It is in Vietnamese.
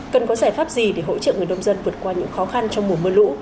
cần có giải pháp gì để hỗ trợ người nông dân vượt qua những khó khăn trong mùa mưa lũ